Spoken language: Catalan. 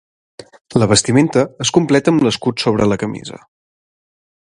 La vestimenta es completa amb l'escut sobre la camisa.